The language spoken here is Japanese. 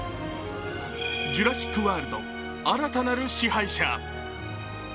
「ジュラシック・ワールド新たなる支配者」。